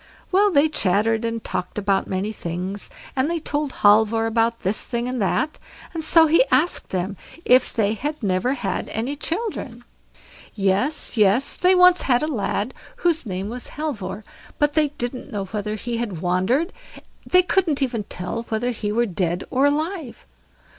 Well, they chattered and talked about many things; and they told Halvor about this thing and that; and so he asked them if they had never had any children. "Yes, yes, they had once a lad whose name was Halvor, but they didn't know whither he had wandered; they couldn't even tell whether he were dead or alive."